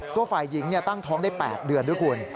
ตัวฝ่ายหญิงตั้งท้องได้๘เดือนด้วยคุณ